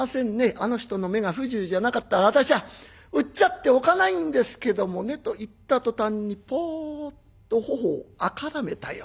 あの人の目が不自由じゃなかったら私は打っちゃっておかないんですけどもね』と言った途端にぽっと頬を赤らめたよ。